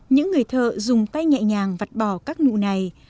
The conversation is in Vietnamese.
những người thợ dùng tay nhẹ nhàng vặt bỏ các nụ này